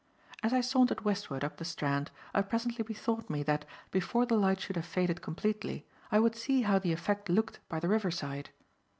As I sauntered westward up the Strand I presently bethought me that, before the light should have faded completely, I would see how the effect looked by the riverside.